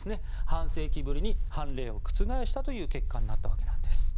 半世紀ぶりに判例を覆したという結果になったんです。